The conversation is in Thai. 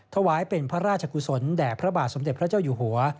ถวายเป็นพระราชกุศลแด่พระบาทสมเด็จพระเจ้าอยู่หัว